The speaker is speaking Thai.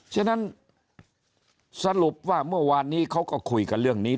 ฉะนั้นสรุปว่าเมื่อวานนี้เขาก็คุยกันเรื่องนี้